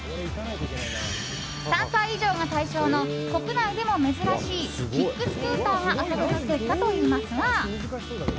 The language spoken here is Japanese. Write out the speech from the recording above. ３歳以上が対象の国内でも珍しいキックスクーターが遊べる施設だといいますが。